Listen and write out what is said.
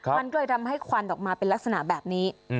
มันก็เลยทำให้ควันออกมาเป็นลักษณะแบบนี้